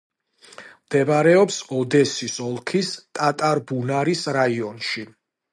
მდებარეობს ოდესის ოლქის ტატარბუნარის რაიონში.